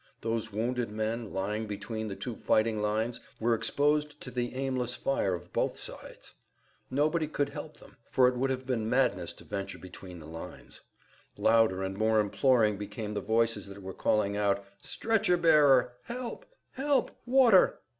Those wounded men, lying between the two fighting lines, were exposed to the aimless fire of both sides. Nobody could help them, for it would have been madness to venture between the lines. Louder and more imploring became the voices that were calling out, "Stretcher bearer! Help! Help! Water!"